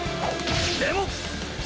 でも！